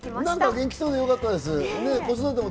元気そうでよかったです。